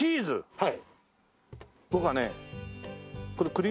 はい。